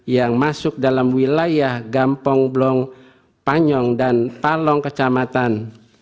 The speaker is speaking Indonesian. yang masuk dalam wilayah gampong blong panyong dan palong kecamatan